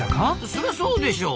そりゃそうでしょう！